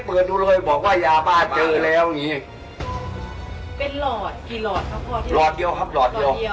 เป็นหลอดหลอดเดียวครับหลอดเดียว